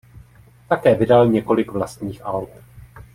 Také vydal několik vlastních alb.